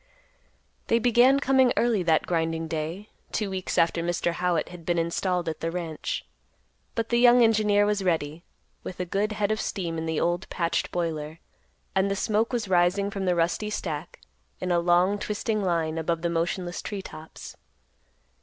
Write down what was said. They began coming early that grinding day, two weeks after Mr. Howitt had been installed at the ranch. But the young engineer was ready, with a good head of steam in the old patched boiler, and the smoke was rising from the rusty stack, in a long, twisting line, above the motionless tree tops.